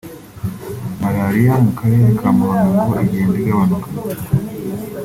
Malariya mu karere ka Muhanga ngo igenda igabanuka